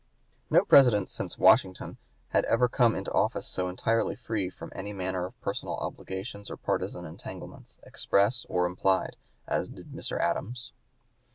No President since Washington had ever come into office so entirely free from any manner of personal obligations or partisan (p. 177) entanglements, express or implied, as did Mr. Adams.